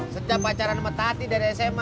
setiap pacaran sama tati dari sma